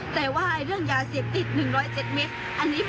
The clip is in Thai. สวัสดีครับ